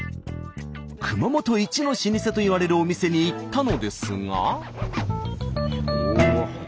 熊本一の老舗といわれるお店に行ったのですが。